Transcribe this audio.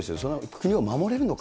国を守れるのか。